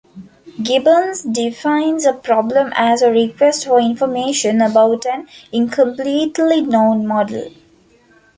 Gibbons defines a problem as a request for information about an incompletely known model.